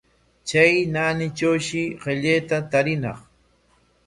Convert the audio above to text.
Chay naanitrawshi qillayta tariñaq.